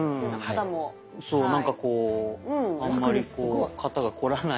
そうなんかこうあんまり肩が凝らない。